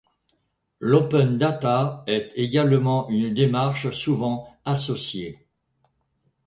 L'Open-data est également une démarche souvent associée.